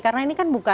karena ini kemungkinan